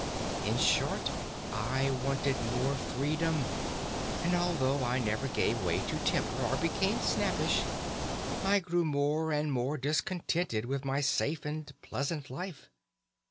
In short, I wanted more freedom; and although I never gave way to temper or became snappish, I grew more and more discontented with my safe and pleasant life.